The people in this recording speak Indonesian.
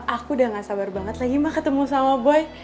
aku udah gak sabar banget lagi mah ketemu sama boy